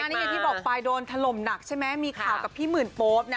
นี่อย่างที่บอกไปโดนถล่มหนักใช่ไหมมีข่าวกับพี่หมื่นโป๊ปนะ